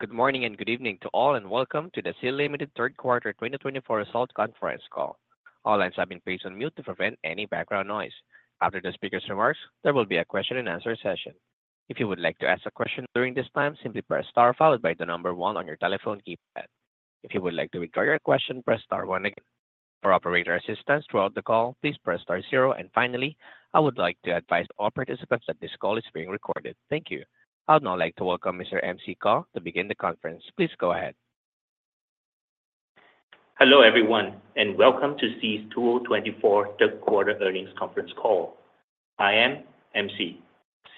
Good morning and good evening to all, and welcome to the Sea Limited third quarter 2024 results conference call. All lines have been placed on mute to prevent any background noise. After the speaker's remarks, there will be a question-and-answer session. If you would like to ask a question during this time, simply press star followed by the number one on your telephone keypad. If you would like to withdraw your question, press star one again. For operator assistance throughout the call, please press star zero. And finally, I would like to advise all participants that this call is being recorded. Thank you. I would now like to welcome Mr. Min Ju Song to begin the conference. Please go ahead. Hello everyone, and welcome to Sea's 2024 third quarter earnings conference call. I am Min Ju Song,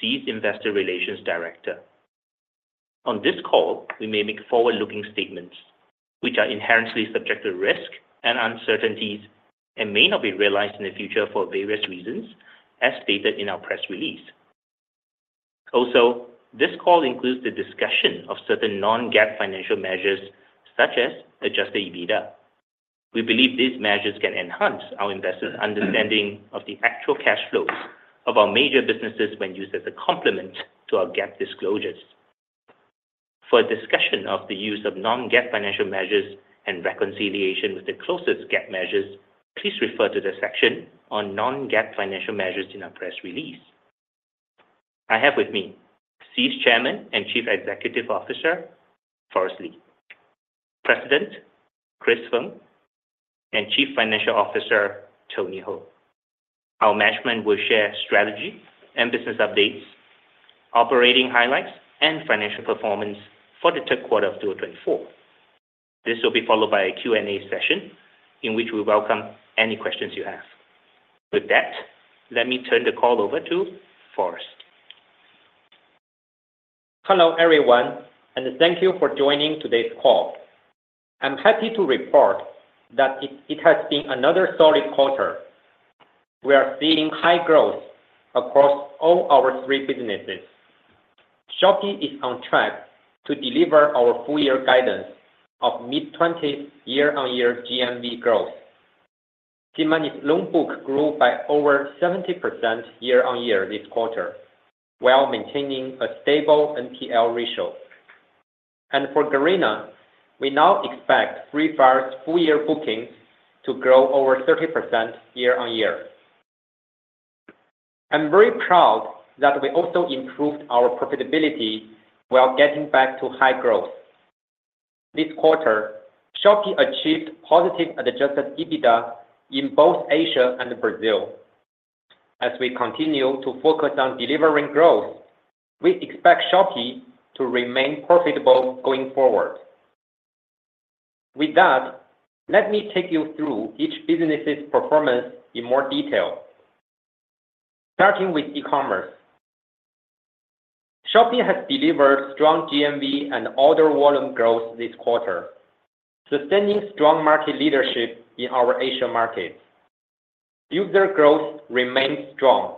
Sea's Investor Relations Director. On this call, we may make forward-looking statements, which are inherently subject to risk and uncertainties and may not be realized in the future for various reasons, as stated in our press release. Also, this call includes the discussion of certain non-GAAP financial measures, such as Adjusted EBITDA. We believe these measures can enhance our investors' understanding of the actual cash flows of our major businesses when used as a complement to our GAAP disclosures. For a discussion of the use of non-GAAP financial measures and reconciliation with the closest GAAP measures, please refer to the section on non-GAAP financial measures in our press release. I have with me Sea's Chairman and Chief Executive Officer, Forrest Li, President Chris Feng, and Chief Financial Officer, Tony Hou. Our management will share strategy and business updates, operating highlights, and financial performance for the third quarter of 2024. This will be followed by a Q&A session in which we welcome any questions you have. With that, let me turn the call over to Forrest. Hello everyone, and thank you for joining today's call. I'm happy to report that it has been another solid quarter. We are seeing high growth across all our three businesses. Shopee is on track to deliver our full-year guidance of mid-20th year-on-year GMV growth. SeaMoney's loan book grew by over 70% year-on-year this quarter, while maintaining a stable NPL ratio. And for Garena, we now expect Free Fire's full-year bookings to grow over 30% year-on-year. I'm very proud that we also improved our profitability while getting back to high growth. This quarter, Shopee achieved positive adjusted EBITDA in both Asia and Brazil. As we continue to focus on delivering growth, we expect Shopee to remain profitable going forward. With that, let me take you through each business's performance in more detail. Starting with e-commerce, Shopee has delivered strong GMV and order volume growth this quarter, sustaining strong market leadership in our Asia markets. User growth remained strong,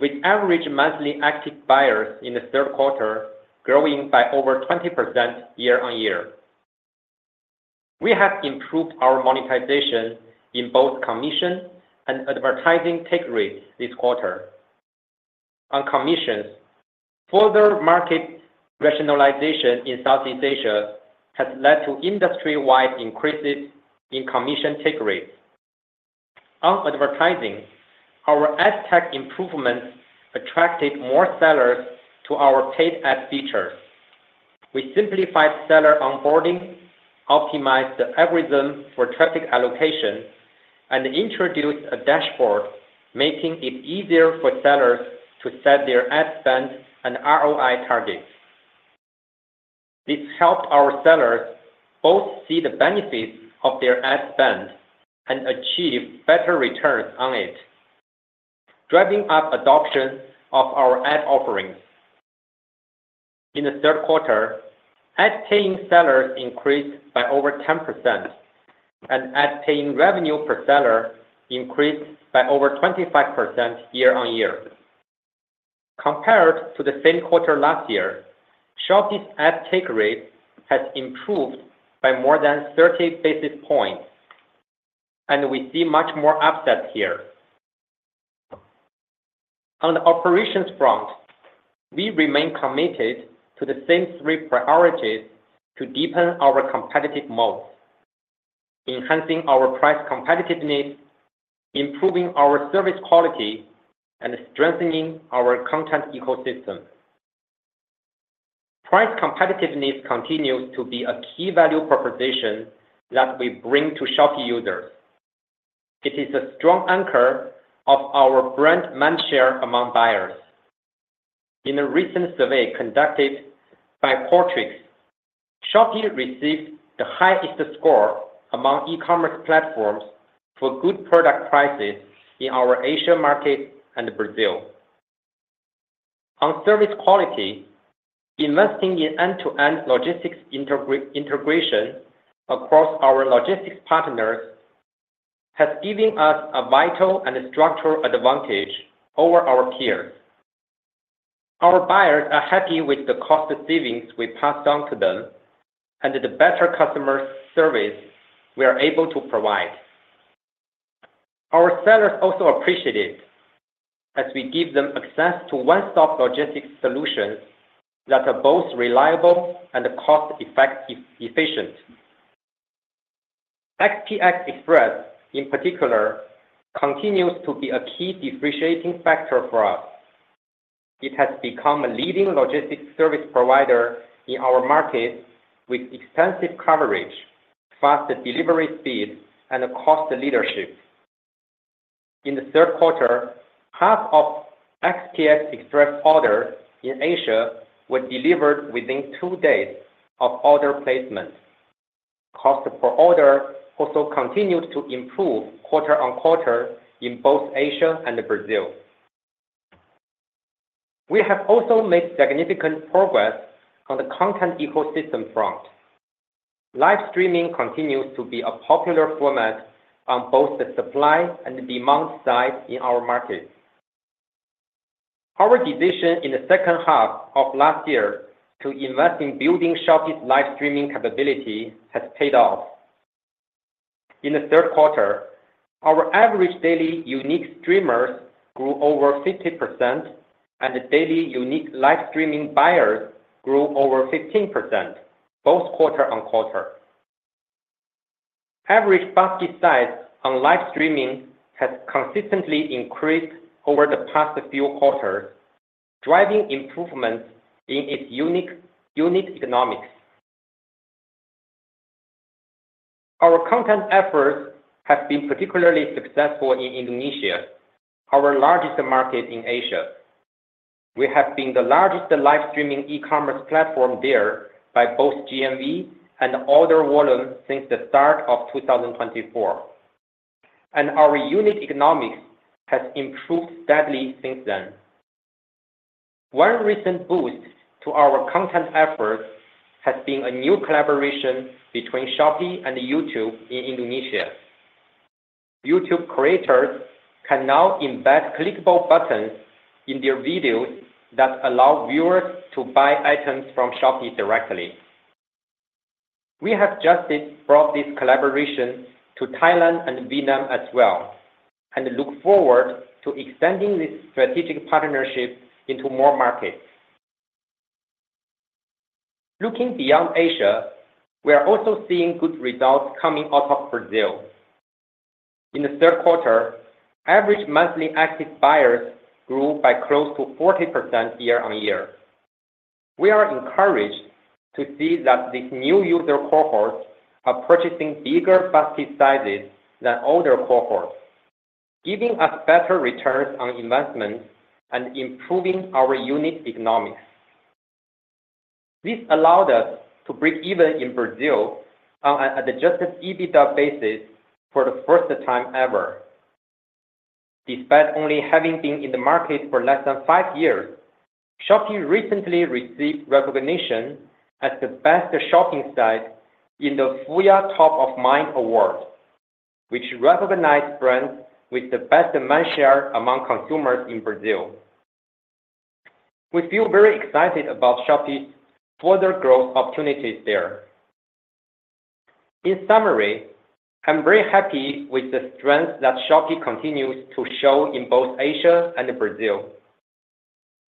with average monthly active buyers in the third quarter growing by over 20% year-on-year. We have improved our monetization in both commission and advertising take rates this quarter. On commissions, further market rationalization in Southeast Asia has led to industry-wide increases in commission take rates. On advertising, our ad tech improvements attracted more sellers to our paid ad features. We simplified seller onboarding, optimized the algorithm for traffic allocation, and introduced a dashboard, making it easier for sellers to set their ad spend and ROI targets. This helped our sellers both see the benefits of their ad spend and achieve better returns on it, driving up adoption of our ad offerings. In the third quarter, ad paying sellers increased by over 10%, and ad paying revenue per seller increased by over 25% year-on-year. Compared to the same quarter last year, Shopee's ad take rate has improved by more than 30 basis points, and we see much more upside here. On the operations front, we remain committed to the same three priorities to deepen our competitive moat, enhancing our price competitiveness, improving our service quality, and strengthening our content ecosystem. Price competitiveness continues to be a key value proposition that we bring to Shopee users. It is a strong anchor of our brand mind share among buyers. In a recent survey conducted by Qualtrics, Shopee received the highest score among e-commerce platforms for good product prices in our Asia market and Brazil. On service quality, investing in end-to-end logistics integration across our logistics partners has given us a vital and structural advantage over our peers. Our buyers are happy with the cost savings we passed on to them and the better customer service we are able to provide. Our sellers also appreciate it as we give them access to one-stop logistics solutions that are both reliable and cost-efficient. SPX Express, in particular, continues to be a key differentiating factor for us. It has become a leading logistics service provider in our market with extensive coverage, fast delivery speed, and cost leadership. In the third quarter, half of SPX Express orders in Asia were delivered within two days of order placement. Cost per order also continued to improve quarter on quarter in both Asia and Brazil. We have also made significant progress on the content ecosystem front. Live streaming continues to be a popular format on both the supply and demand side in our market. Our decision in the second half of last year to invest in building Shopee's live streaming capability has paid off. In the third quarter, our average daily unique streamers grew over 50%, and daily unique live streaming buyers grew over 15%, both quarter on quarter. Average basket size on live streaming has consistently increased over the past few quarters, driving improvements in its unique economics. Our content efforts have been particularly successful in Indonesia, our largest market in Asia. We have been the largest live streaming e-commerce platform there by both GMV and order volume since the start of 2024, and our unique economics has improved steadily since then. One recent boost to our content efforts has been a new collaboration between Shopee and YouTube in Indonesia. YouTube creators can now embed clickable buttons in their videos that allow viewers to buy items from Shopee directly. We have just brought this collaboration to Thailand and Vietnam as well, and look forward to extending this strategic partnership into more markets. Looking beyond Asia, we are also seeing good results coming out of Brazil. In the third quarter, average monthly active buyers grew by close to 40% year-on-year. We are encouraged to see that these new user cohorts are purchasing bigger basket sizes than older cohorts, giving us better returns on investment and improving our unique economics. This allowed us to break even in Brazil on an adjusted EBITDA basis for the first time ever. Despite only having been in the market for less than five years, Shopee recently received recognition as the best shopping site in the Folha Top of Mind award, which recognized brands with the best demand share among consumers in Brazil. We feel very excited about Shopee's further growth opportunities there. In summary, I'm very happy with the strength that Shopee continues to show in both Asia and Brazil.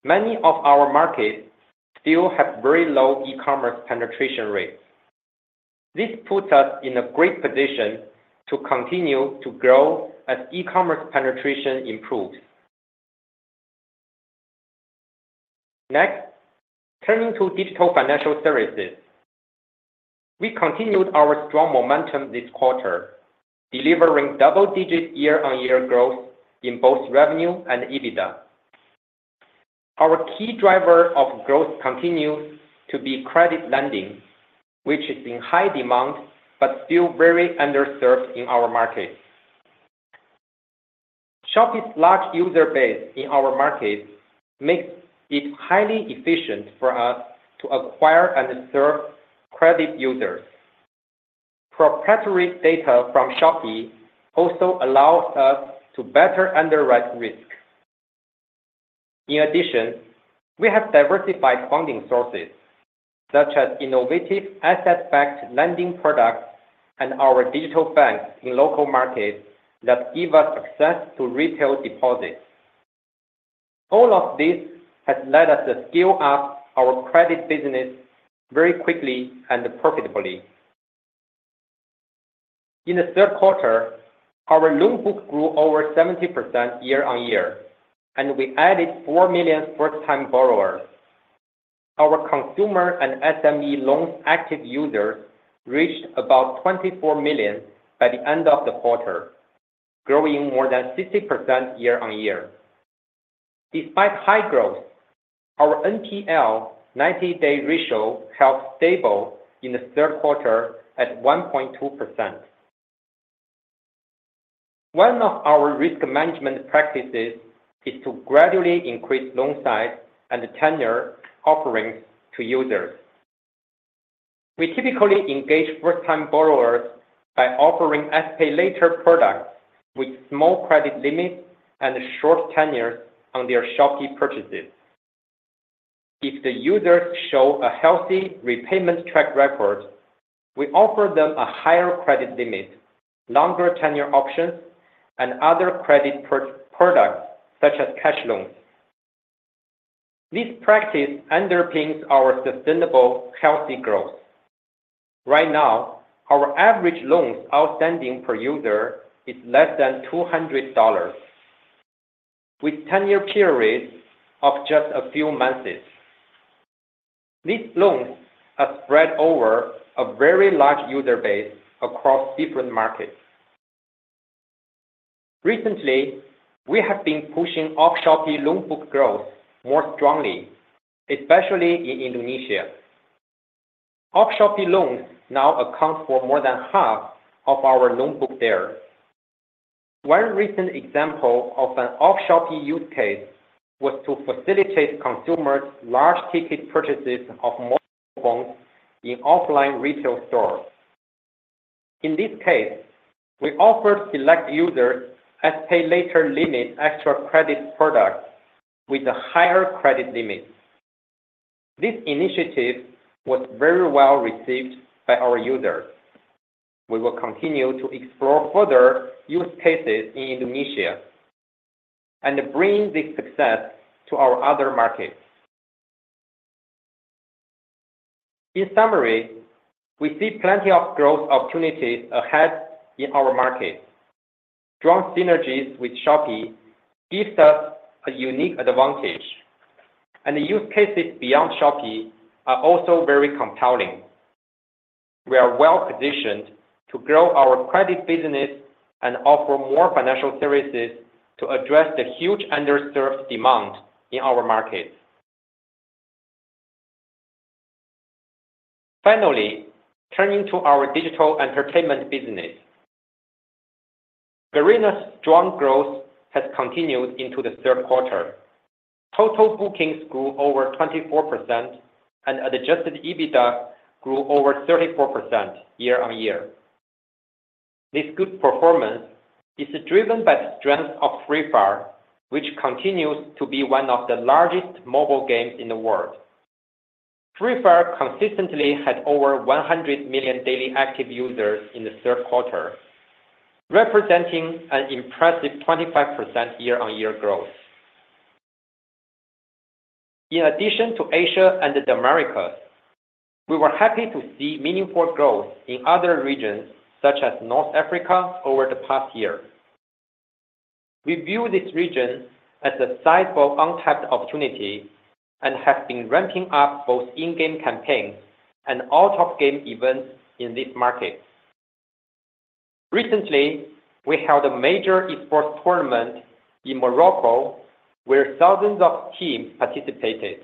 Many of our markets still have very low e-commerce penetration rates. This puts us in a great position to continue to grow as e-commerce penetration improves. Next, turning to digital financial services, we continued our strong momentum this quarter, delivering double-digit year-on-year growth in both revenue and EBITDA. Our key driver of growth continues to be credit lending, which is in high demand but still very underserved in our market. Shopee's large user base in our market makes it highly efficient for us to acquire and serve credit users. Proprietary data from Shopee also allows us to better underwrite risk. In addition, we have diversified funding sources, such as innovative asset-backed lending products and our digital banks in local markets that give us access to retail deposits. All of this has led us to scale up our credit business very quickly and profitably. In the third quarter, our loan book grew over 70% year-on-year, and we added four million first-time borrowers. Our consumer and SME loans active users reached about 24 million by the end of the quarter, growing more than 60% year-on-year. Despite high growth, our NPL 90-day ratio held stable in the third quarter at 1.2%. One of our risk management practices is to gradually increase loan size and tenure offerings to users. We typically engage first-time borrowers by offering escalator products with small credit limits and short tenures on their Shopee purchases. If the users show a healthy repayment track record, we offer them a higher credit limit, longer tenure options, and other credit products such as cash loans. This practice underpins our sustainable, healthy growth. Right now, our average loans outstanding per user is less than $200, with tenure periods of just a few months. These loans are spread over a very large user base across different markets. Recently, we have been pushing off-Shopee loan book growth more strongly, especially in Indonesia. Off-Shopee loans now account for more than half of our loan book there. One recent example of an off-Shopee use case was to facilitate consumers' large ticket purchases of mobile phones in offline retail stores. In this case, we offered select users SPayLater limit extra credit products with a higher credit limit. This initiative was very well received by our users. We will continue to explore further use cases in Indonesia and bring this success to our other markets. In summary, we see plenty of growth opportunities ahead in our market. Strong synergies with Shopee give us a unique advantage, and the use cases beyond Shopee are also very compelling. We are well positioned to grow our credit business and offer more financial services to address the huge underserved demand in our market. Finally, turning to our digital entertainment business, Garena's strong growth has continued into the third quarter. Total bookings grew over 24%, and adjusted EBITDA grew over 34% year-on-year. This good performance is driven by the strength of Free Fire, which continues to be one of the largest mobile games in the world. Fire consistently had over 100 million daily active users in the third quarter, representing an impressive 25% year-on-year growth. In addition to Asia and the Americas, we were happy to see meaningful growth in other regions, such as North Africa, over the past year. We view this region as a sizable untapped opportunity and have been ramping up both in-game campaigns and out-of-game events in this market. Recently, we held a major esports tournament in Morocco where thousands of teams participated,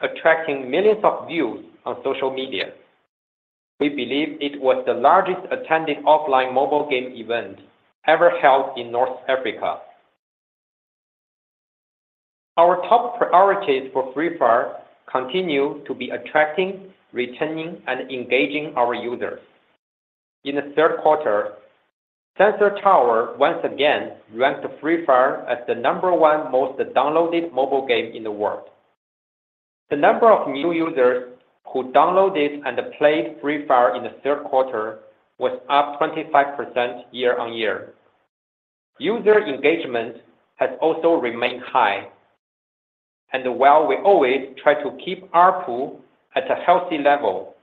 attracting millions of views on social media. We believe it was the largest attended offline mobile game event ever held in North Africa. Our top priorities for Free Fire continue to be attracting, retaining, and engaging our users. In the third quarter, Sensor Tower once again ranked Free Fire as the number one most downloaded mobile game in the world. The number of new users who downloaded and played Free Fire in the third quarter was up 25% year-on-year. User engagement has also remained high, and while we always try to keep our pool at a healthy level,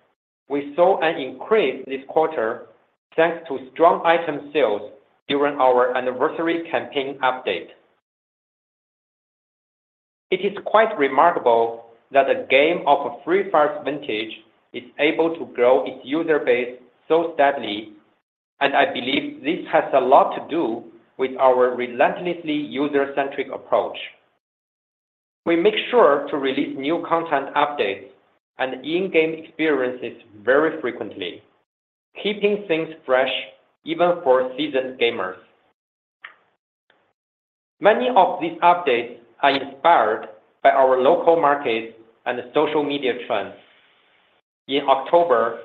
we saw an increase this quarter thanks to strong item sales during our anniversary campaign update. It is quite remarkable that the game of Free Fire's vintage is able to grow its user base so steadily, and I believe this has a lot to do with our relentlessly user-centric approach. We make sure to release new content updates and in-game experiences very frequently, keeping things fresh even for seasoned gamers. Many of these updates are inspired by our local markets and social media trends. In October,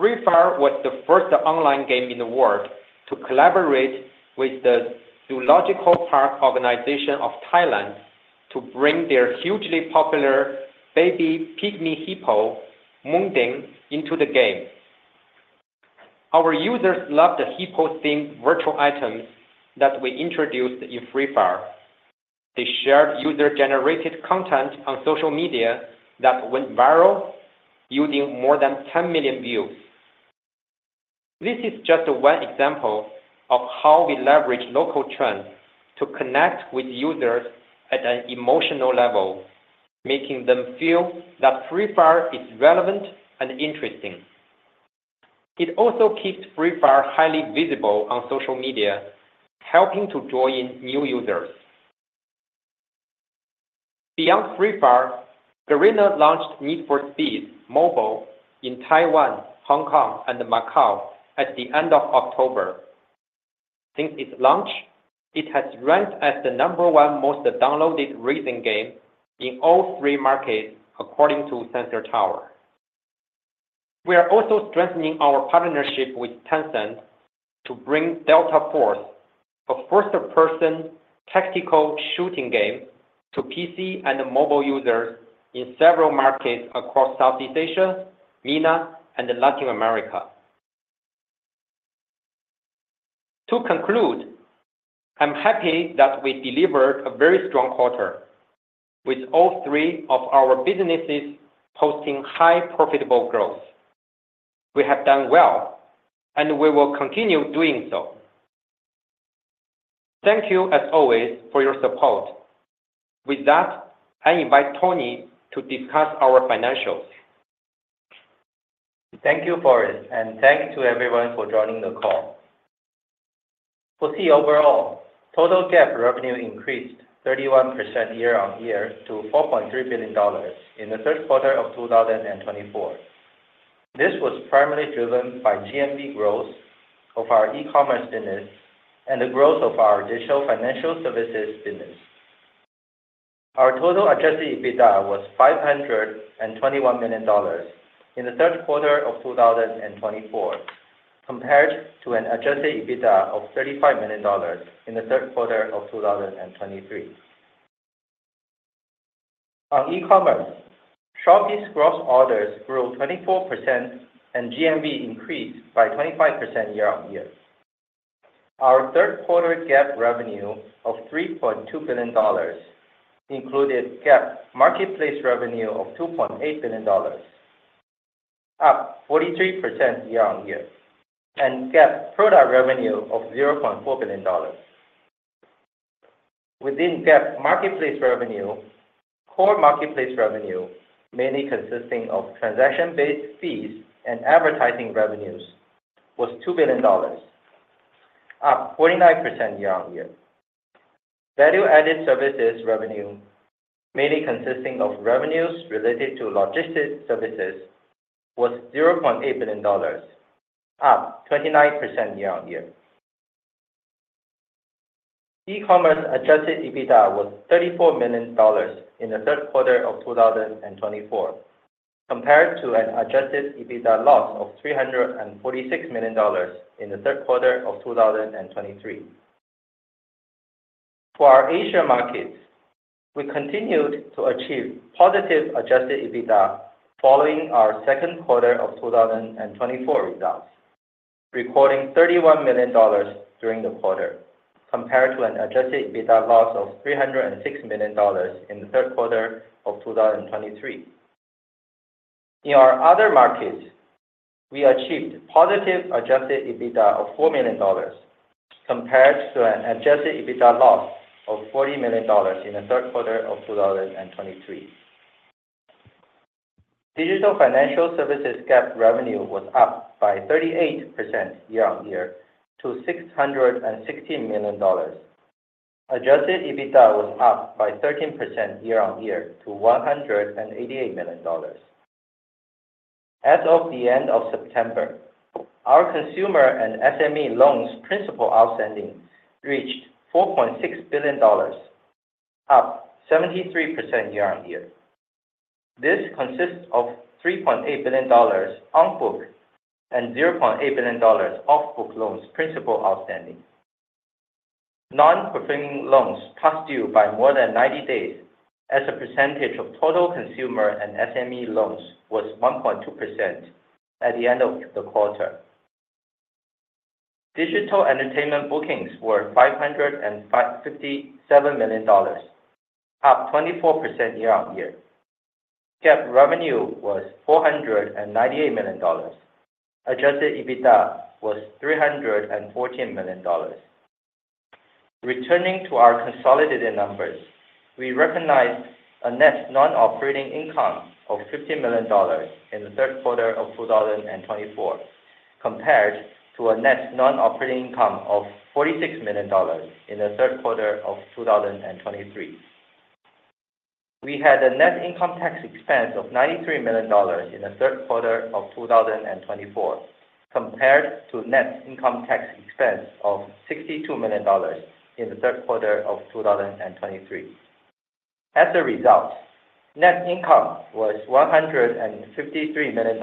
Free Fire was the first online game in the world to collaborate with the Zoological Park Organization of Thailand to bring their hugely popular baby pygmy hippo Moo Deng into the game. Our users loved the hippo-themed virtual items that we introduced in Free Fire. They shared user-generated content on social media that went viral using more than 10 million views. This is just one example of how we leverage local trends to connect with users at an emotional level, making them feel that Free Fire is relevant and interesting. It also keeps Free Fire highly visible on social media, helping to draw in new users. Beyond Free Fire, Garena launched Need for Speed Mobile in Taiwan, Hong Kong, and Macau at the end of October. Since its launch, it has ranked as the number one most downloaded racing game in all three markets, according to Sensor Tower. We are also strengthening our partnership with Tencent to bring Delta Force, a first-person tactical shooting game, to PC and mobile users in several markets across Southeast Asia, China, and Latin America. To conclude, I'm happy that we delivered a very strong quarter, with all three of our businesses posting high profitable growth. We have done well, and we will continue doing so. Thank you, as always, for your support. With that, I invite Tony to discuss our financials. Thank you, Boris, and thanks to everyone for joining the call. Sea overall total GAAP revenue increased 31% year-on-year to $4.3 billion in the third quarter of 2024. This was primarily driven by GMV growth of our e-commerce business and the growth of our digital financial services business. Our total adjusted EBITDA was $521 million in the third quarter of 2024, compared to an adjusted EBITDA of $35 million in the third quarter of 2023. On e-commerce, Shopee's gross orders grew 24%, and GMV increased by 25% year-on-year. Our third quarter GAAP revenue of $3.2 billion included GAAP marketplace revenue of $2.8 billion, up 43% year-on-year, and GAAP product revenue of $0.4 billion. Within GAAP marketplace revenue, core marketplace revenue, mainly consisting of transaction-based fees and advertising revenues, was $2 billion, up 49% year-on-year. Value-added services revenue, mainly consisting of revenues related to logistics services, was $0.8 billion, up 29% year-on-year. E-commerce adjusted EBITDA was $34 million in the third quarter of 2024, compared to an adjusted EBITDA loss of $346 million in the third quarter of 2023. For our Asia markets, we continued to achieve positive adjusted EBITDA following our second quarter of 2024 results, recording $31 million during the quarter, compared to an adjusted EBITDA loss of $306 million in the third quarter of 2023. In our other markets, we achieved positive adjusted EBITDA of $4 million, compared to an adjusted EBITDA loss of $40 million in the third quarter of 2023. Digital financial services GAAP revenue was up by 38% year-on-year to $616 million. Adjusted EBITDA was up by 13% year-on-year to $188 million. As of the end of September, our consumer and SME loans principal outstanding reached $4.6 billion, up 73% year-on-year. This consists of $3.8 billion on book and $0.8 billion off book loans principal outstanding. Non-performing loans past due by more than 90 days, as a percentage of total consumer and SME loans, was 1.2% at the end of the quarter. Digital entertainment bookings were $557 million, up 24% year-on-year. GAAP revenue was $498 million. Adjusted EBITDA was $314 million. Returning to our consolidated numbers, we recognized a net non-operating income of $50 million in the third quarter of 2024, compared to a net non-operating income of $46 million in the third quarter of 2023. We had a net income tax expense of $93 million in the third quarter of 2024, compared to net income tax expense of $62 million in the third quarter of 2023. As a result, net income was $153 million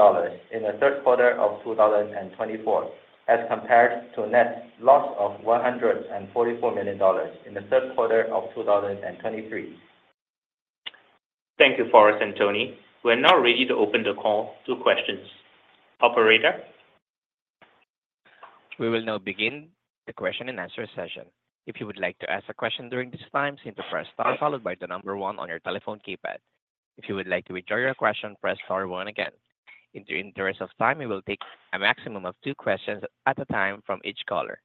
in the third quarter of 2024, as compared to net loss of $144 million in the third quarter of 2023. Thank you, Forrest and Tony. We are now ready to open the call to questions. Operator. We will now begin the question and answer session. If you would like to ask a question during this time, simply press star followed by the number one on your telephone keypad. If you would like to withdraw your question, press star one again. In the interest of time, we will take a maximum of two questions at a time from each caller.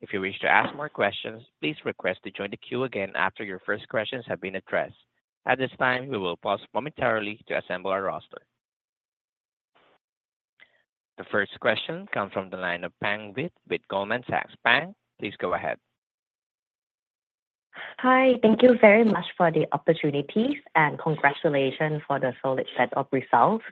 If you wish to ask more questions, please request to join the queue again after your first questions have been addressed. At this time, we will pause momentarily to assemble our roster. The first question comes from the line of Pang with Goldman Sachs. Pang, please go ahead. Hi, thank you very much for the opportunity and congratulations for the solid set of results.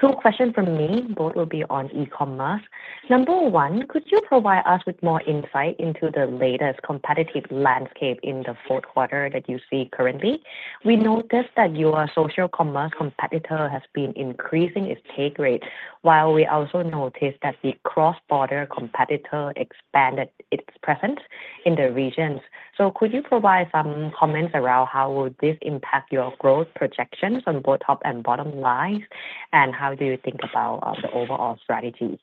Two questions from me. Both will be on e-commerce. Number one, could you provide us with more insight into the latest competitive landscape in the fourth quarter that you see currently? We noticed that your social commerce competitor has been increasing its take rate, while we also noticed that the cross-border competitor expanded its presence in the region. So could you provide some comments around how will this impact your growth projections on both top and bottom lines, and how do you think about the overall strategies?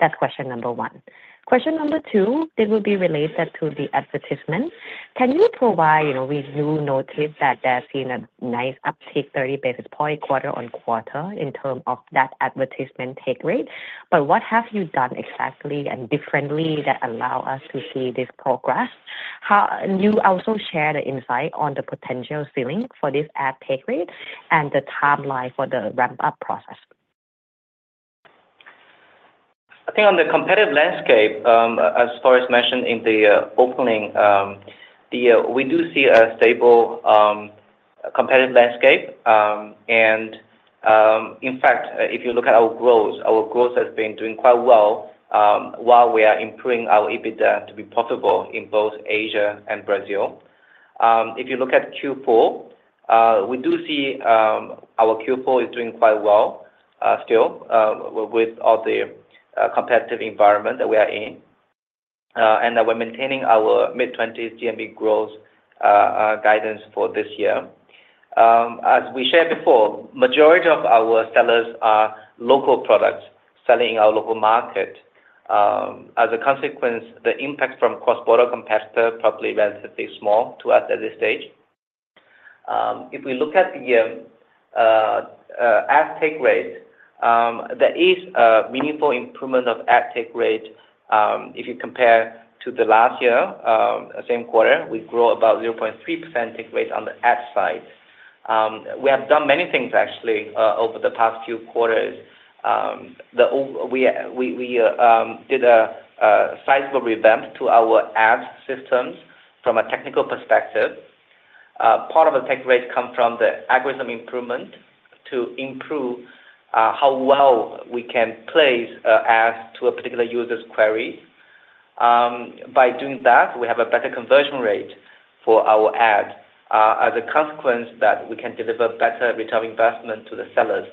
That's question number one. Question number two, this will be related to the advertising. Do you notice that there's been a nice uptick, 30 basis points, quarter on quarter, in terms of that advertising take rate? But what have you done exactly and differently that allows us to see this progress? Can you also share the insight on the potential ceiling for this ad pay grade and the timeline for the ramp-up process? I think on the competitive landscape, as Boris mentioned in the opening, we do see a stable competitive landscape. And in fact, if you look at our growth, our growth has been doing quite well while we are improving our EBITDA to be profitable in both Asia and Brazil. If you look at Q4, we do see our Q4 is doing quite well still with all the competitive environment that we are in, and that we're maintaining our mid-20s GMV growth guidance for this year. As we shared before, the majority of our sellers are local products selling in our local market. As a consequence, the impact from cross-border competitors is probably relatively small to us at this stage. If we look at the ad pay grade, there is a meaningful improvement of ad pay grade if you compare to the last year, same quarter. We grew about 0.3% take rate on the ad side. We have done many things, actually, over the past few quarters. We did a sizable revamp to our ad systems from a technical perspective. Part of the take rate comes from the algorithm improvement to improve how well we can place ads to a particular user's queries. By doing that, we have a better conversion rate for our ads. As a consequence, we can deliver better return on investment to the sellers.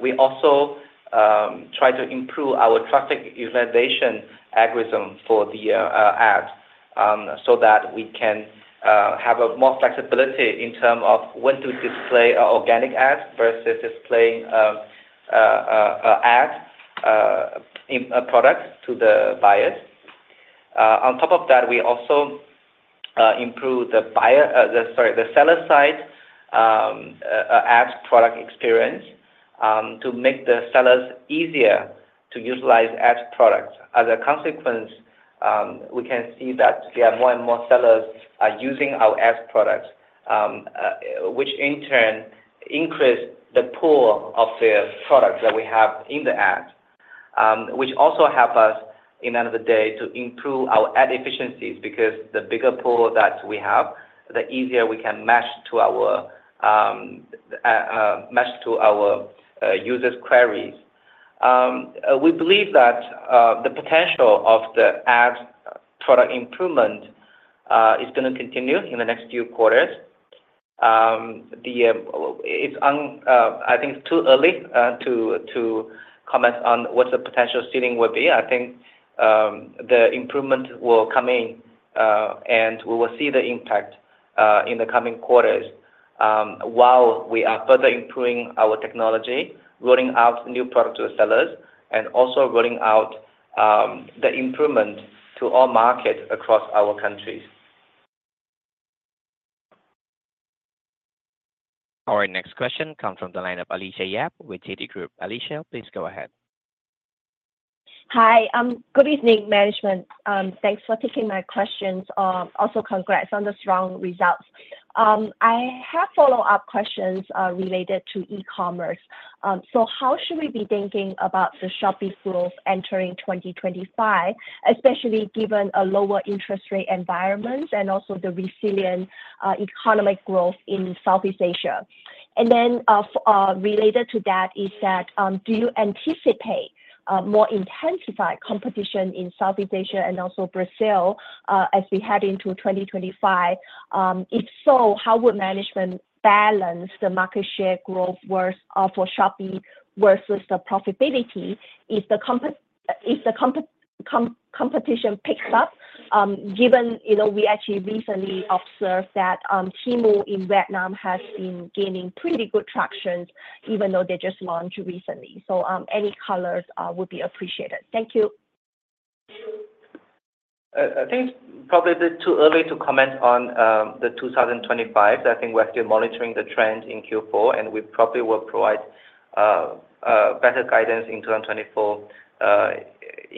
We also try to improve our traffic utilization algorithm for the ads so that we can have more flexibility in terms of when to display organic ads versus displaying ad products to the buyers. On top of that, we also improve the seller-side ad product experience to make the sellers easier to utilize ad products. As a consequence, we can see that there are more and more sellers using our ad products, which in turn increases the pool of the products that we have in the ads, which also helps us in the end of the day to improve our ad efficiencies because the bigger pool that we have, the easier we can match to our users' queries. We believe that the potential of the ad product improvement is going to continue in the next few quarters. It's, I think, too early to comment on what the potential ceiling will be. I think the improvement will come in, and we will see the impact in the coming quarters while we are further improving our technology, rolling out new products to the sellers, and also rolling out the improvement to all markets across our countries. Our next question comes from the line of Alicia Yap with Citigroup. Alicia, please go ahead. Hi. Good evening, management. Thanks for taking my questions. Also, congrats on the strong results. I have follow-up questions related to e-commerce. So how should we be thinking about Shopee's growth entering 2025, especially given a lower interest rate environment and also the resilient economic growth in Southeast Asia? And then related to that is that, do you anticipate more intensified competition in Southeast Asia and also Brazil as we head into 2025? If so, how would management balance the market share growth for Shopee versus the profitability if the competition picks up? Given we actually recently observed that Temu in Vietnam has been gaining pretty good traction, even though they just launched recently. So any colors would be appreciated. Thank you. I think it's probably a bit too early to comment on the 2025. I think we're still monitoring the trends in Q4, and we probably will provide better guidance in 2024 in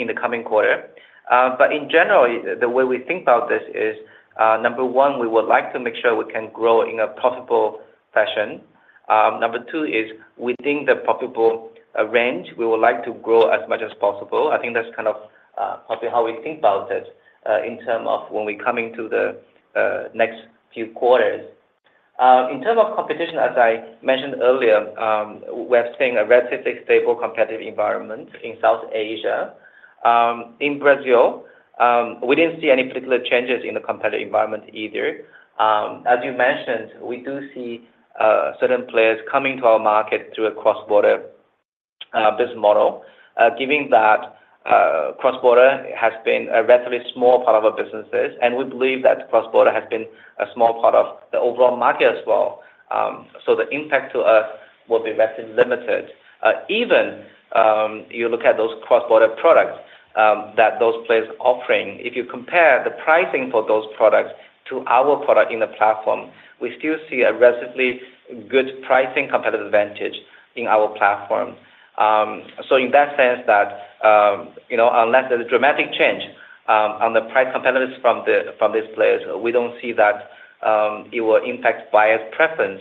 the coming quarter. But in general, the way we think about this is, number one, we would like to make sure we can grow in a profitable fashion. Number two is within the profitable range, we would like to grow as much as possible. I think that's kind of probably how we think about it in terms of when we come into the next few quarters. In terms of competition, as I mentioned earlier, we are seeing a relatively stable competitive environment in Southeast Asia. In Brazil, we didn't see any particular changes in the competitive environment either. As you mentioned, we do see certain players coming to our market through a cross-border business model, given that cross-border has been a relatively small part of our businesses. And we believe that cross-border has been a small part of the overall market as well. So the impact to us will be relatively limited. Even if you look at those cross-border products that those players are offering, if you compare the pricing for those products to our product in the platform, we still see a relatively good pricing competitive advantage in our platform. So in that sense, unless there's a dramatic change on the price competitiveness from these players, we don't see that it will impact buyers' preference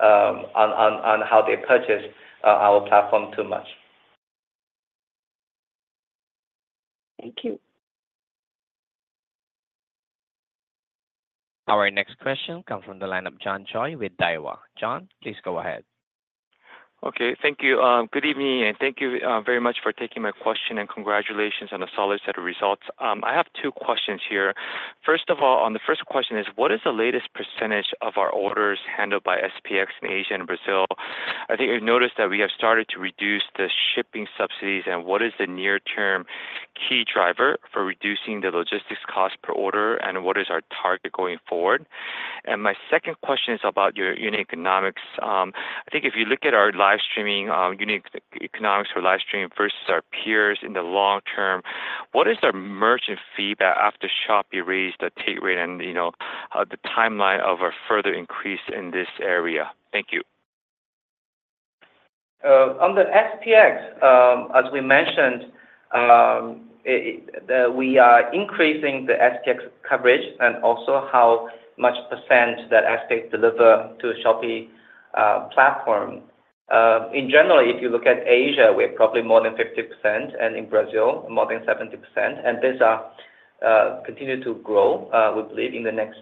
on how they purchase our platform too much. Thank you. Our next question comes from the line of John Choi with Daiwa. John, please go ahead. Okay. Thank you. Good evening, and thank you very much for taking my question, and congratulations on a solid set of results. I have two questions here. First of all, on the first question is, what is the latest percentage of our orders handled by SPX in Asia and Brazil? I think you've noticed that we have started to reduce the shipping subsidies, and what is the near-term key driver for reducing the logistics cost per order, and what is our target going forward? And my second question is about your unit economics. I think if you look at our live streaming unit economics for live streaming versus our peers in the long term, what is our merchant fee after Shopee raised the take rate and the timeline of our further increase in this area? Thank you. On the SPX, as we mentioned, we are increasing the SPX coverage and also how much percent that SPX deliver to the Shopee platform. In general, if you look at Asia, we're probably more than 50%, and in Brazil, more than 70%, and these continue to grow, we believe, in the next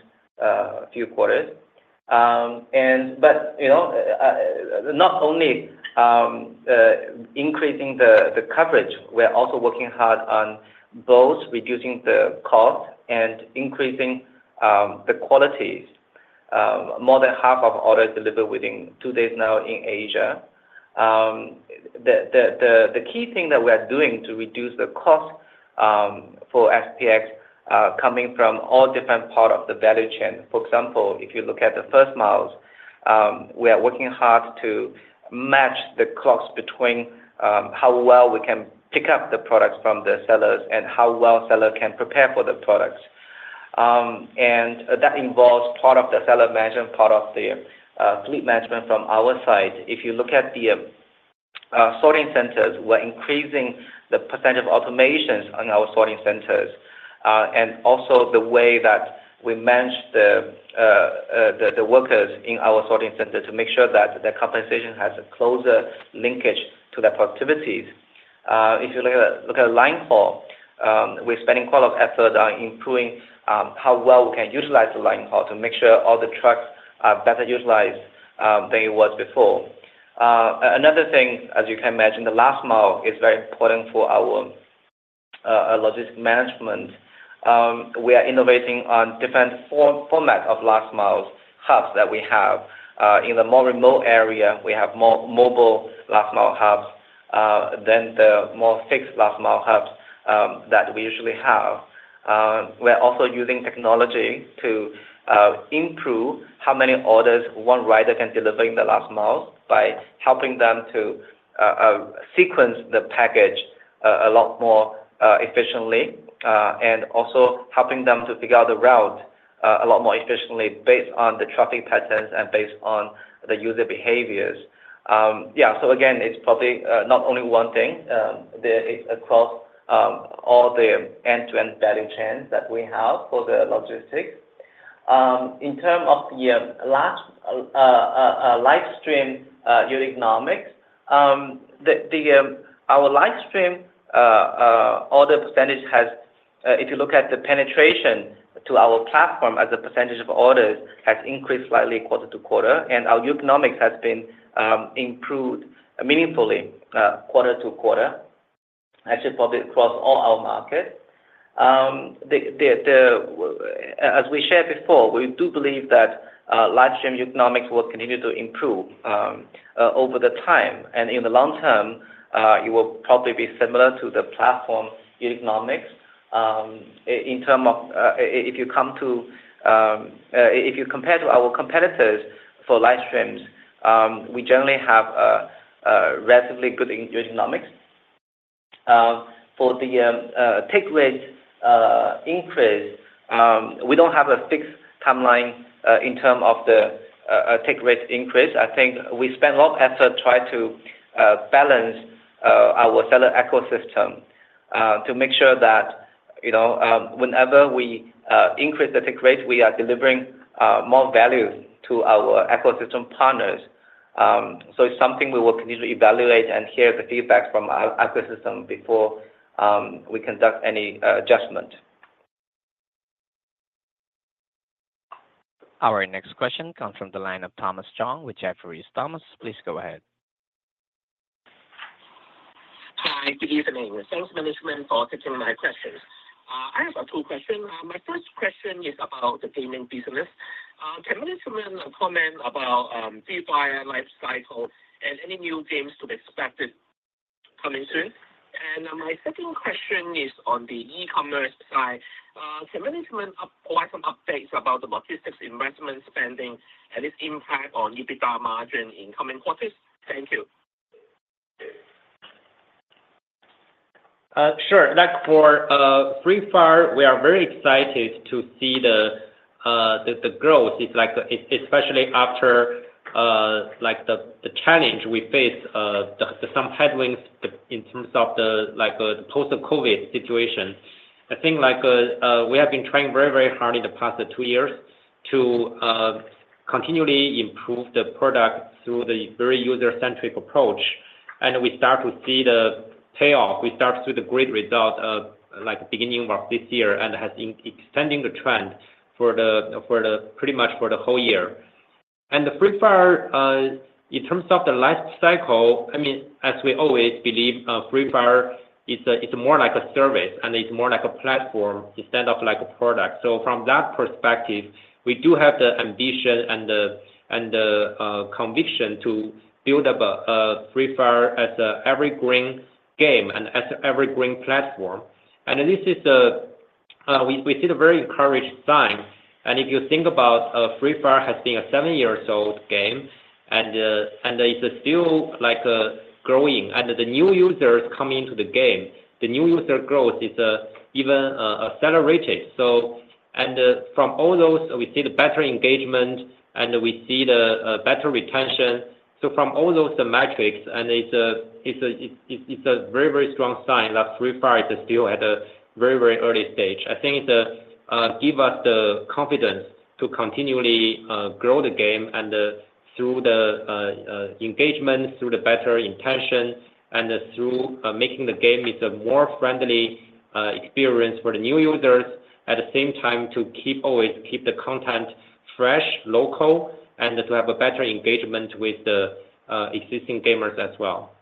few quarters, but not only increasing the coverage, we're also working hard on both reducing the cost and increasing the qualities. More than half of orders delivered within two days now in Asia. The key thing that we are doing to reduce the cost for SPX coming from all different parts of the value chain. For example, if you look at the first miles, we are working hard to match the cost between how well we can pick up the products from the sellers and how well sellers can prepare for the products. That involves part of the seller management, part of the fleet management from our side. If you look at the sorting centers, we're increasing the percent of automations on our sorting centers and also the way that we manage the workers in our sorting center to make sure that the compensation has a closer linkage to their productivities. If you look at line haul, we're spending quite a lot of effort on improving how well we can utilize the line haul to make sure all the trucks are better utilized than it was before. Another thing, as you can imagine, the last mile is very important for our logistics management. We are innovating on different formats of last mile hubs that we have. In the more remote area, we have more mobile last mile hubs than the more fixed last mile hubs that we usually have. We're also using technology to improve how many orders one rider can deliver in the last mile by helping them to sequence the package a lot more efficiently and also helping them to figure out the route a lot more efficiently based on the traffic patterns and based on the user behaviors. Yeah. So again, it's probably not only one thing. It's across all the end-to-end value chains that we have for the logistics. In terms of the live stream unit economics, our live stream order percentage has, if you look at the penetration to our platform as a percentage of orders, has increased slightly quarter to quarter. And our unit economics has been improved meaningfully quarter to quarter, actually probably across all our markets. As we shared before, we do believe that live stream unit economics will continue to improve over the time. In the long term, it will probably be similar to the platform unit economics. In terms of if you compare to our competitors for live streams, we generally have relatively good unit economics. For the take rate increase, we don't have a fixed timeline in terms of the take rate increase. I think we spend a lot of effort trying to balance our seller ecosystem to make sure that whenever we increase the take rate, we are delivering more value to our ecosystem partners. So it's something we will continue to evaluate and hear the feedback from our ecosystem before we conduct any adjustment. Our next question comes from the line of Thomas Chong with Jefferies. Thomas, please go ahead. Hi. Good evening. Thanks, management, for taking my questions. I have two questions. My first question is about the payment business. Can management comment about Free Fire lifecycle and any new games to be expected coming soon? And my second question is on the e-commerce side. Can management provide some updates about the logistics investment spending and its impact on EBITDA margin in coming quarters? Thank you. Sure. For Free Fire, we are very excited to see the growth, especially after the challenge we faced, some headwinds in terms of the post-COVID situation. I think we have been trying very, very hard in the past two years to continually improve the product through the very user-centric approach. We start to see the payoff. We start to see the great result beginning of this year and has been extending the trend pretty much for the whole year. Free Fire, in terms of the lifecycle, I mean, as we always believe, Free Fire is more like a service, and it's more like a platform instead of a product. So from that perspective, we do have the ambition and the conviction to build up Free Fire as an evergreen game and as an evergreen platform. We see the very encouraging sign. If you think about Free Fire, it has been a seven-year-old game, and it's still growing. The new users coming into the game, the new user growth is even accelerated. From all those, we see the better engagement, and we see the better retention. From all those metrics, it's a very, very strong sign that Free Fire is still at a very, very early stage. I think it gives us the confidence to continually grow the game through the engagement, through the better retention, and through making the game a more friendly experience for the new users, at the same time to always keep the content fresh, local, and to have a better engagement with the existing gamers as well.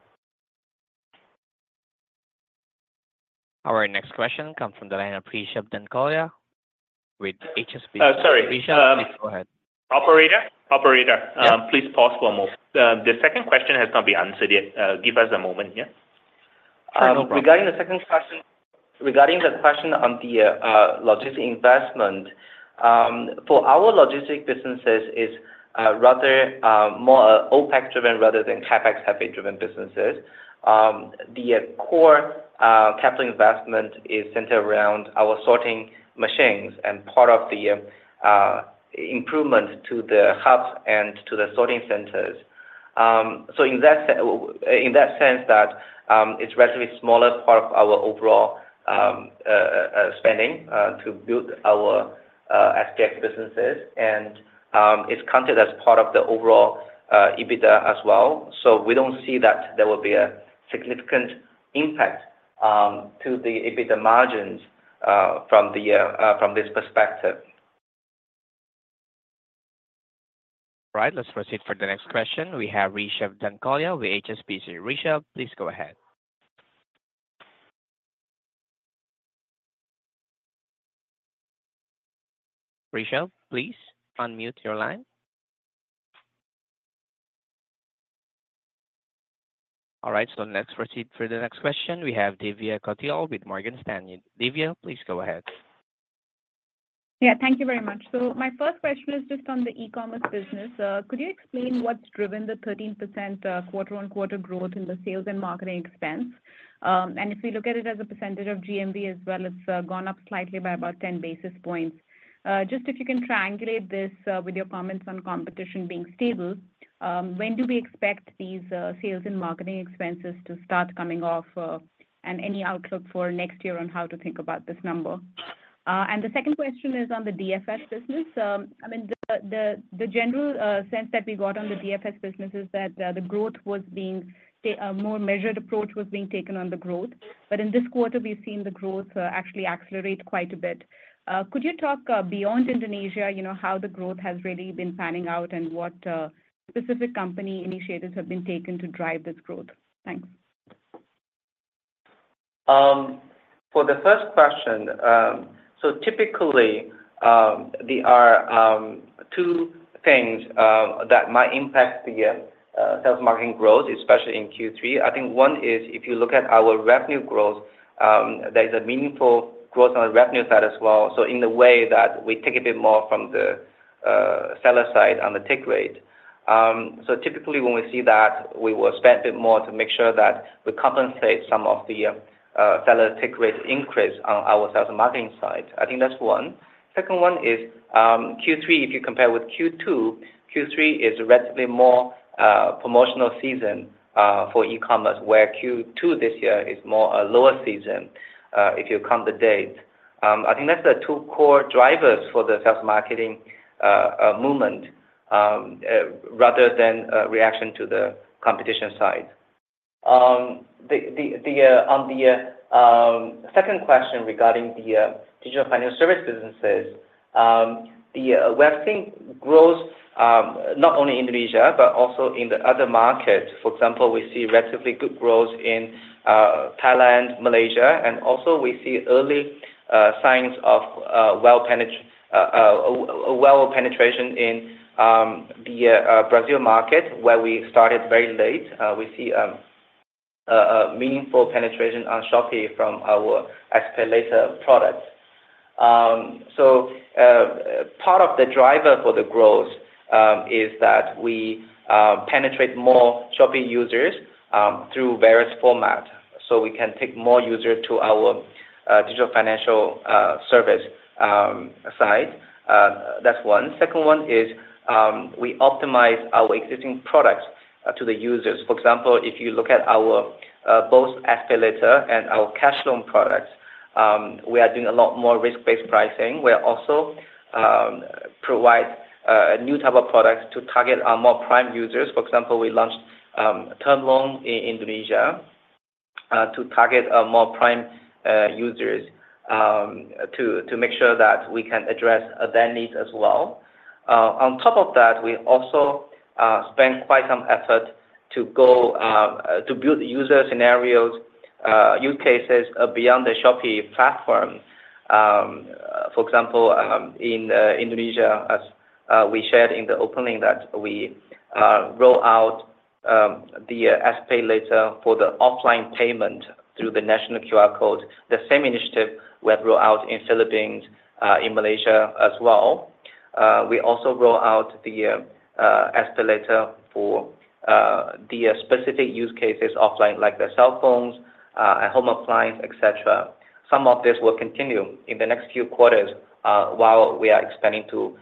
Our next question comes from the line of Rishabh Dhankhar with HSBC. Sorry. Please go ahead. Operator, operator, please pause for a moment. The second question has not been answered yet. Give us a moment here. Regarding the second question, regarding the question on the logistics investment, for our logistics businesses, it's rather more OpEx-driven rather than CapEx/OpEx-driven businesses. The core capital investment is centered around our sorting machines and part of the improvement to the hubs and to the sorting centers. So in that sense, it's a relatively smaller part of our overall spending to build our SPX businesses. And it's counted as part of the overall EBITDA as well. So we don't see that there will be a significant impact to the EBITDA margins from this perspective. All right. Let's proceed for the next question. We have Rishabh Dhankhar with HSBC. Rishabh, please go ahead. Rishabh, please unmute your line. All right. So let's proceed for the next question. We have Divya Kothyal with Morgan Stanley. Divya, please go ahead. Yeah. Thank you very much. So my first question is just on the e-commerce business. Could you explain what's driven the 13% quarter-on-quarter growth in the sales and marketing expense? And if we look at it as a percentage of GMV as well, it's gone up slightly by about 10 basis points. Just if you can triangulate this with your comments on competition being stable, when do we expect these sales and marketing expenses to start coming off and any outlook for next year on how to think about this number? And the second question is on the DFS business. I mean, the general sense that we got on the DFS business is that the growth was being more measured approach was being taken on the growth. But in this quarter, we've seen the growth actually accelerate quite a bit. Could you talk beyond Indonesia, how the growth has really been panning out and what specific company initiatives have been taken to drive this growth? Thanks. For the first question, so typically, there are two things that might impact the sales margin growth, especially in Q3. I think one is if you look at our revenue growth, there is a meaningful growth on the revenue side as well, so in the way that we take a bit more from the seller side on the take rate. So typically, when we see that, we will spend a bit more to make sure that we compensate some of the seller take rate increase on our sales and marketing side. I think that's one. Second one is Q3, if you compare with Q2, Q3 is a relatively more promotional season for e-commerce, where Q2 this year is more a lower season if you count the dates. I think that's the two core drivers for the sales marketing movement rather than a reaction to the competition side. On the second question regarding the digital financial services businesses, we have seen growth not only in Indonesia but also in the other markets. For example, we see relatively good growth in Thailand, Malaysia, and also we see early signs of wallet penetration in the Brazil market, where we started very late. We see meaningful penetration on Shopee from our expedited products. So part of the driver for the growth is that we penetrate more Shopee users through various formats so we can take more users to our digital financial service side. That's one. Second one is we optimize our existing products to the users. For example, if you look at both our expedited and our cash loan products, we are doing a lot more risk-based pricing. We also provide a new type of product to target our more prime users. For example, we launched term loan in Indonesia to target more prime users to make sure that we can address their needs as well. On top of that, we also spend quite some effort to build user scenarios, use cases beyond the Shopee platform. For example, in Indonesia, as we shared in the opening, that we roll out the SPayLater for the offline payment through the national QR code. The same initiative we have rolled out in the Philippines, in Malaysia as well. We also rolled out the SPayLater for the specific use cases offline, like the cell phones, home appliances, etc. Some of this will continue in the next few quarters while we are expanding to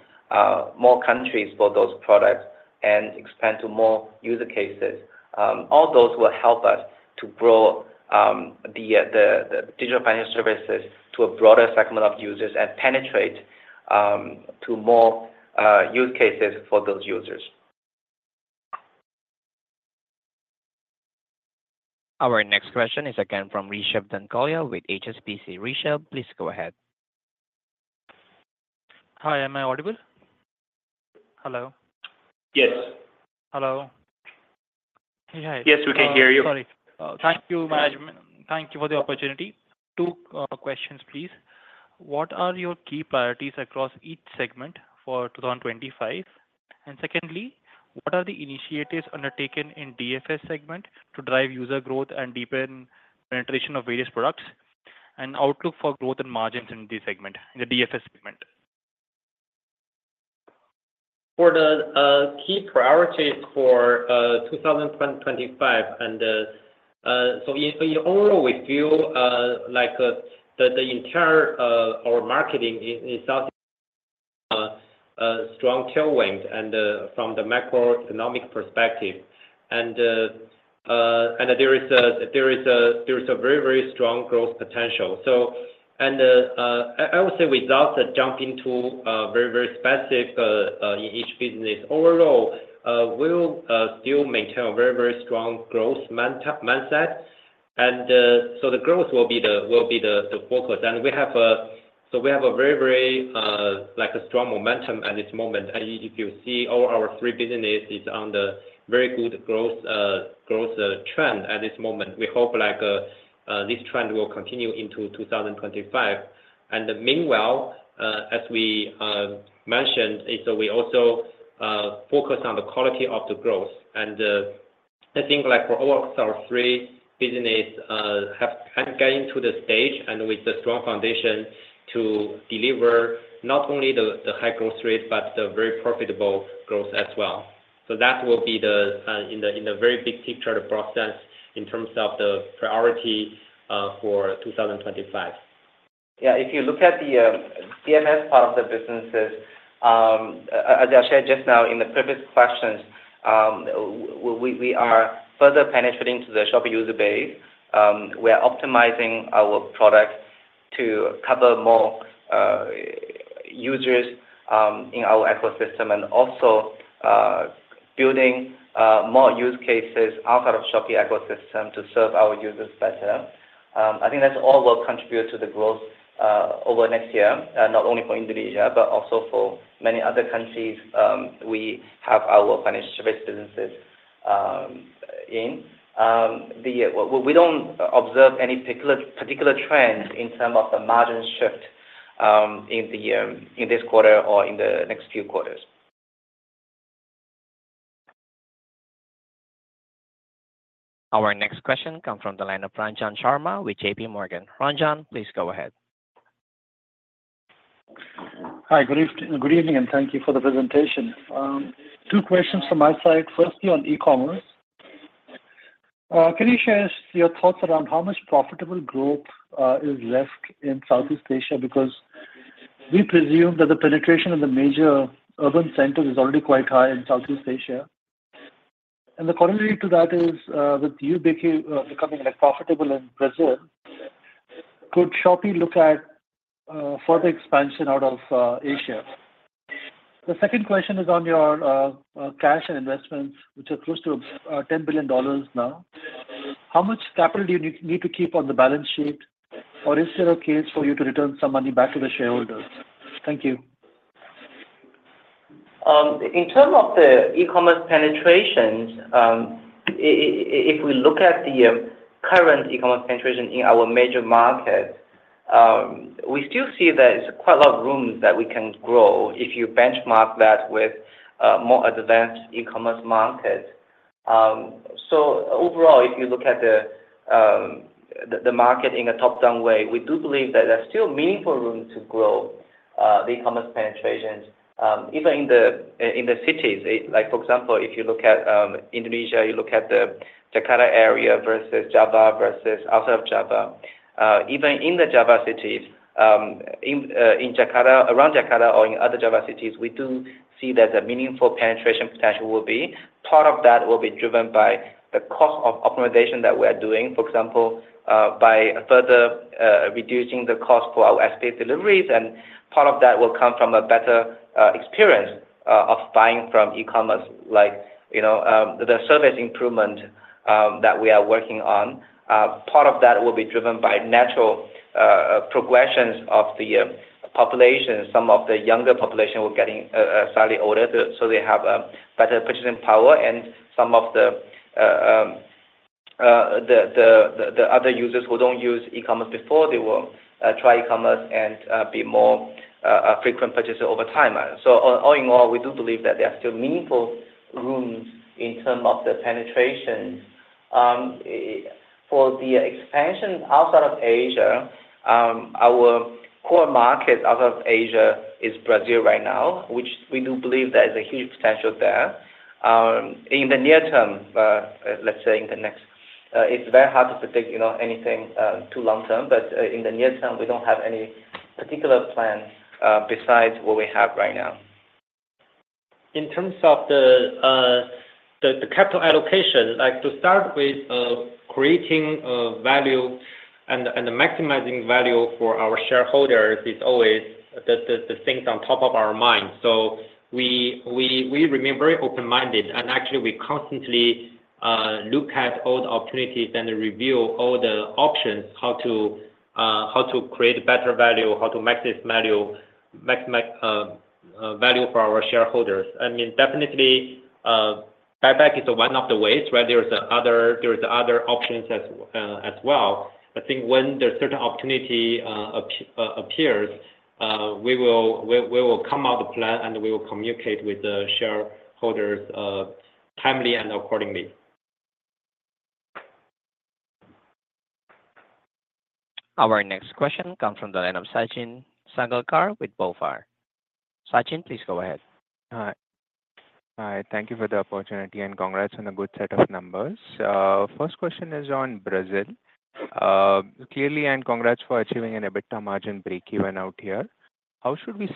more countries for those products and expand to more use cases. All those will help us to grow the digital financial services to a broader segment of users and penetrate to more use cases for those users. Our next question is again from Rishabh Dhankhar with HSBC. Rishabh, please go ahead. Hi. Am I audible? Hello? Yes. Hello? Hey, hi. Yes, we can hear you. Sorry. Thank you, management. Thank you for the opportunity. Two questions, please. What are your key priorities across each segment for 2025? And secondly, what are the initiatives undertaken in DFS segment to drive user growth and deepen penetration of various products and outlook for growth and margins in the segment, in the DFS segment? For the key priorities for 2025, so in overall, we feel like the entire market is strong tailwind from the macroeconomic perspective. And there is a very, very strong growth potential. And I would say without jumping too very, very specific in each business, overall, we'll still maintain a very, very strong growth mindset. And so the growth will be the focus. And so we have a very, very strong momentum at this moment. And if you see all our three businesses are on a very good growth trend at this moment, we hope this trend will continue into 2025. And meanwhile, as we mentioned, so we also focus on the quality of the growth. And I think for all of our three businesses, we have gotten to the stage and with the strong foundation to deliver not only the high growth rate but the very profitable growth as well. So that will be in the very big picture, the broad sense, in terms of the priority for 2025. Yeah. If you look at the DFS part of the businesses, as I shared just now in the previous questions, we are further penetrating to the Shopee user base. We are optimizing our product to cover more users in our ecosystem and also building more use cases outside of Shopee ecosystem to serve our users better. I think that's all will contribute to the growth over next year, not only for Indonesia but also for many other countries we have our financial services businesses in. We don't observe any particular trend in terms of the margin shift in this quarter or in the next few quarters. Our next question comes from the line of Ranjan Sharma with J.P. Morgan. Ranjan, please go ahead. Hi. Good evening, and thank you for the presentation. Two questions from my side. Firstly, on e-commerce, can you share your thoughts around how much profitable growth is left in Southeast Asia? Because we presume that the penetration of the major urban centers is already quite high in Southeast Asia. And the corollary to that is, with you becoming profitable in Brazil, could Shopee look at further expansion out of Asia? The second question is on your cash and investments, which are close to $10 billion now. How much capital do you need to keep on the balance sheet, or is there a case for you to return some money back to the shareholders? Thank you. In terms of the e-commerce penetrations, if we look at the current e-commerce penetration in our major markets, we still see that it's quite a lot of room that we can grow if you benchmark that with more advanced e-commerce markets. Overall, if you look at the market in a top-down way, we do believe that there's still meaningful room to grow the e-commerce penetrations, even in the cities. For example, if you look at Indonesia, you look at the Jakarta area versus Java versus outside of Java. Even in the Java cities, around Jakarta or in other Java cities, we do see that a meaningful penetration potential will be. Part of that will be driven by the cost of optimization that we are doing, for example, by further reducing the cost for our SPX deliveries. Part of that will come from a better experience of buying from e-commerce, like the service improvement that we are working on. Part of that will be driven by natural progressions of the population. Some of the younger population will get slightly older, so they have better purchasing power. And some of the other users who don't use e-commerce before, they will try e-commerce and be more frequent purchasers over time. So all in all, we do believe that there are still meaningful rooms in terms of the penetration. For the expansion outside of Asia, our core market outside of Asia is Brazil right now, which we do believe there is a huge potential there. In the near term, let's say in the next, it's very hard to predict anything too long term. But in the near term, we don't have any particular plan besides what we have right now. In terms of the capital allocation, to start with creating value and maximizing value for our shareholders, it's always the things on top of our mind. So we remain very open-minded. And actually, we constantly look at all the opportunities and review all the options, how to create better value, how to maximize value for our shareholders. I mean, definitely, buyback is one of the ways, right? There are other options as well. I think when the certain opportunity appears, we will come up with a plan, and we will communicate with the shareholders timely and accordingly. Our next question comes from the line of Sachin Salgaonkar with BofA. Sachin, please go ahead. Hi. Hi. Thank you for the opportunity and congrats on a good set of numbers. First question is on Brazil. Clearly, and congrats for achieving an EBITDA margin break-even out here. How should we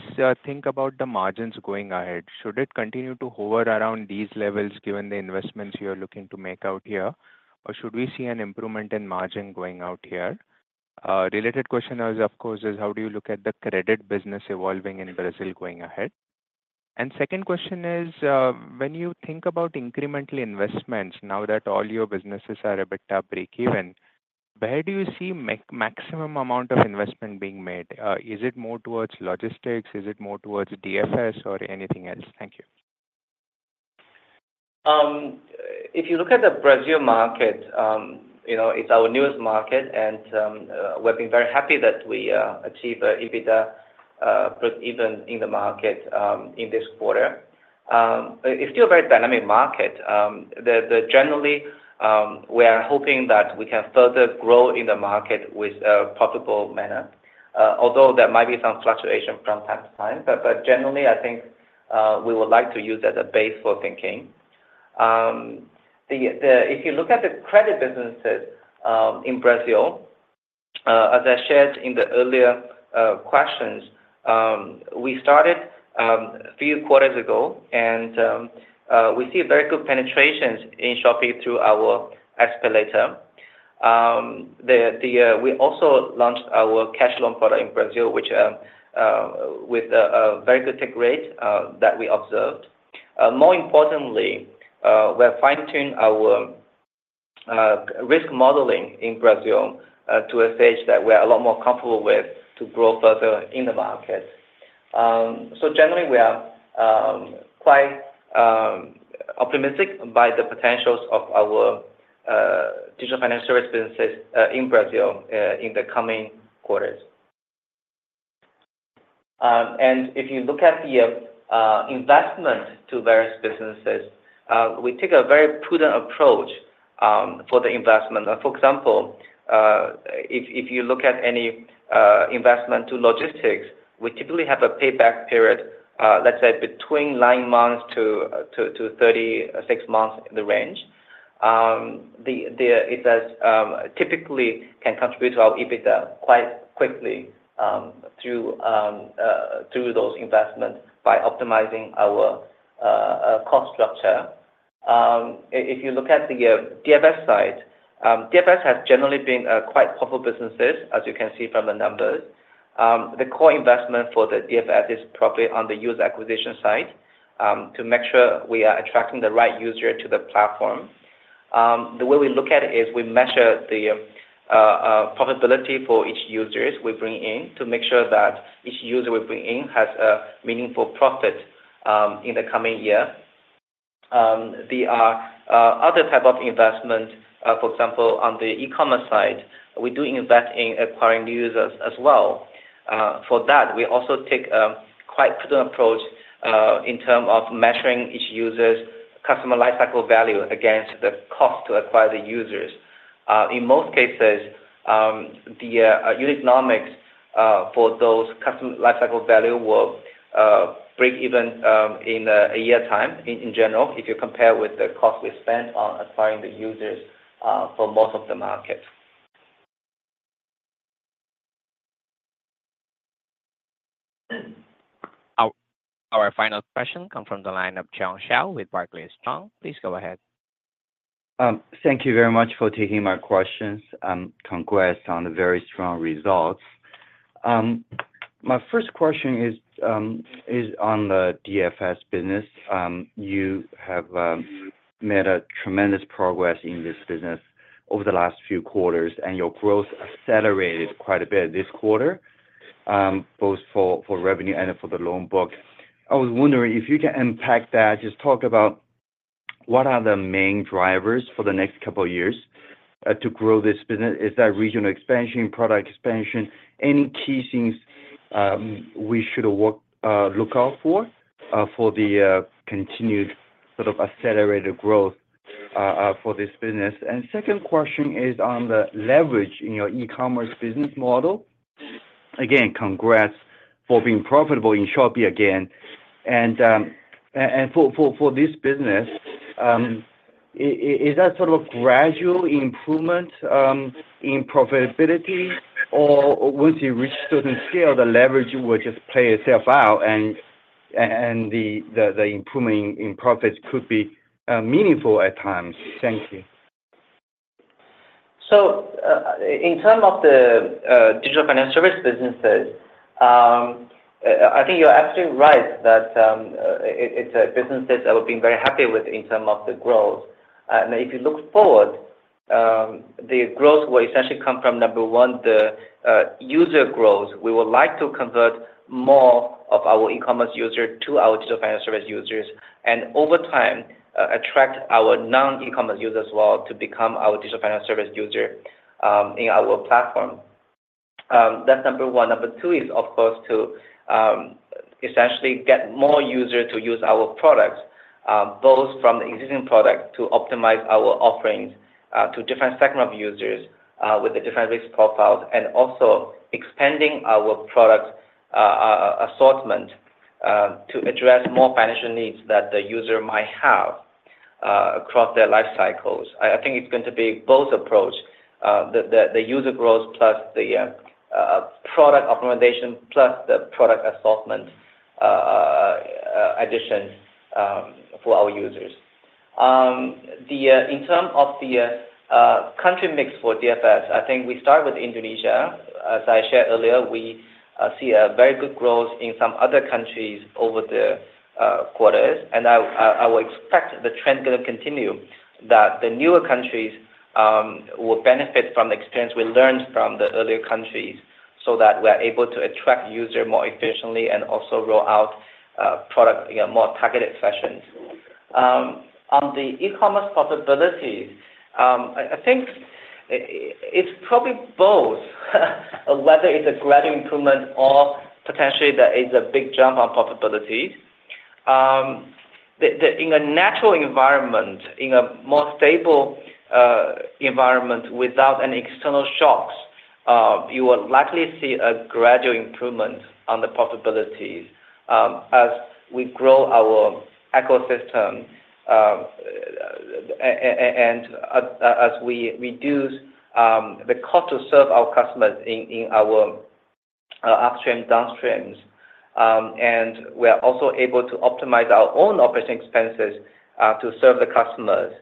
think about the margins going ahead? Should it continue to hover around these levels given the investments you are looking to make out here, or should we see an improvement in margin going out here? Related question is, of course, how do you look at the credit business evolving in Brazil going ahead? And second question is, when you think about incremental investments now that all your businesses are EBITDA break-even, where do you see the maximum amount of investment being made? Is it more towards logistics? Is it more towards DFS or anything else? Thank you. If you look at the Brazil market, it's our newest market, and we've been very happy that we achieved EBITDA break-even in the market in this quarter. It's still a very dynamic market. Generally, we are hoping that we can further grow in the market with a profitable manner, although there might be some fluctuation from time to time. But generally, I think we would like to use that as a base for thinking. If you look at the credit businesses in Brazil, as I shared in the earlier questions, we started a few quarters ago, and we see very good penetrations in Shopee through our SPayLater. We also launched our cash loan product in Brazil with a very good take rate that we observed. More importantly, we've fine-tuned our risk modeling in Brazil to a stage that we're a lot more comfortable with to grow further in the market. Generally, we are quite optimistic about the potentials of our digital financial services businesses in Brazil in the coming quarters. If you look at the investment to various businesses, we take a very prudent approach for the investment. For example, if you look at any investment to logistics, we typically have a payback period, let's say, between nine months to 36 months in the range. It typically can contribute to our EBITDA quite quickly through those investments by optimizing our cost structure. If you look at the DFS side, DFS has generally been quite profitable businesses, as you can see from the numbers. The core investment for the DFS is probably on the user acquisition side to make sure we are attracting the right user to the platform. The way we look at it is we measure the profitability for each user we bring in to make sure that each user we bring in has a meaningful profit in the coming year. The other type of investment, for example, on the e-commerce side, we do invest in acquiring new users as well. For that, we also take a quite prudent approach in terms of measuring each user's customer lifecycle value against the cost to acquire the users. In most cases, the earnings economics for those customer lifecycle values will break even in a year's time in general if you compare with the cost we spend on acquiring the users for most of the market. Our final question comes from the line of Jiong Shao with Barclays. Jiong, please go ahead. Thank you very much for taking my questions. Congrats on the very strong results. My first question is on the DFS business. You have made tremendous progress in this business over the last few quarters, and your growth accelerated quite a bit this quarter, both for revenue and for the loan book. I was wondering if you can unpack that, just talk about what are the main drivers for the next couple of years to grow this business. Is that regional expansion, product expansion, any key things we should look out for for the continued sort of accelerated growth for this business? And second question is on the leverage in your e-commerce business model. Again, congrats for being profitable in Shopee again. For this business, is that sort of a gradual improvement in profitability, or once you reach a certain scale, the leverage will just play itself out, and the improvement in profits could be meaningful at times? Thank you. So in terms of the digital financial services businesses, I think you're absolutely right that it's a business that we've been very happy with in terms of the growth. And if you look forward, the growth will essentially come from, number one, the user growth. We would like to convert more of our e-commerce users to our digital financial services users and, over time, attract our non-e-commerce users as well to become our digital financial services users in our platform. That's number one. Number two is, of course, to essentially get more users to use our products, both from the existing product to optimize our offerings to different segments of users with the different risk profiles and also expanding our product assortment to address more financial needs that the user might have across their lifecycles. I think it's going to be both approaches, the user growth plus the product optimization plus the product assortment addition for our users. In terms of the country mix for DFS, I think we start with Indonesia. As I shared earlier, we see very good growth in some other countries over the quarters. And I would expect the trend to continue, that the newer countries will benefit from the experience we learned from the earlier countries so that we are able to attract users more efficiently and also roll out product in a more targeted fashion. On the e-commerce profitability, I think it's probably both, whether it's a gradual improvement or potentially that it's a big jump on profitability. In a natural environment, in a more stable environment without any external shocks, you will likely see a gradual improvement on the profitability as we grow our ecosystem and as we reduce the cost to serve our customers in our upstream downstreams, and we're also able to optimize our own operating expenses to serve the customers.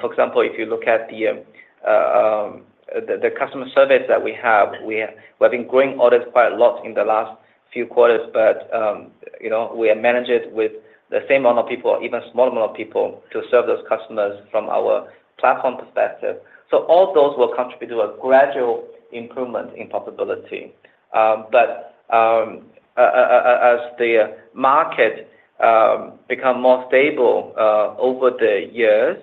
For example, if you look at the customer service that we have, we've been growing orders quite a lot in the last few quarters, but we have managed it with the same amount of people, even a smaller amount of people, to serve those customers from our platform perspective. So all those will contribute to a gradual improvement in profitability, but as the market becomes more stable over the years,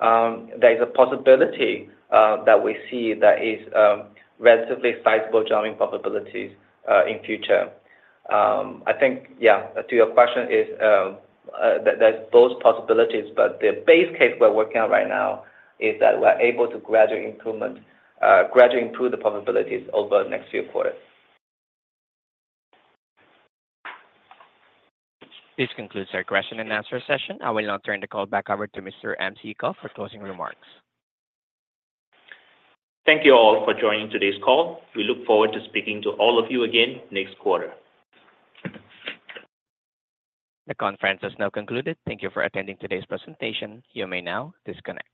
there is a possibility that we see that is relatively sizable, jumping profitabilities in the future. I think, yeah, to your question, there's both possibilities. But the base case we're working on right now is that we're able to gradually improve the profitabilities over the next few quarters. This concludes our question and answer session. I will now turn the call back over to Ms. Min Ju Song for closing remarks. Thank you all for joining today's call. We look forward to speaking to all of you again next quarter. The conference has now concluded. Thank you for attending today's presentation. You may now disconnect.